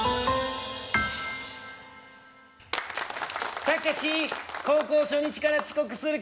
「タカシ高校初日から遅刻する気？